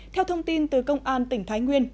theo thông tin từ công an tỉnh thái nguyên